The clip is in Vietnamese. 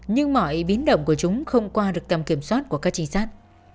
nhưng mọi biến động của chúng không qua được tầm kiểm soát của các trinh sát